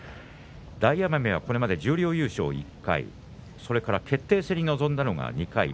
大奄美はこれまで十両優勝１回決定戦に臨んだのが２回。